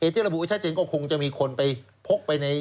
ที่ระบุไว้ชัดเจนก็คงจะมีคนไปพกไปใน